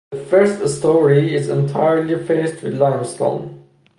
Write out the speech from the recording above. The first story is entirely faced with limestone.